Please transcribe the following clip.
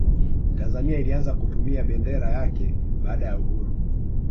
tanzania ilianza kutumia bendera yake baada ya uhuru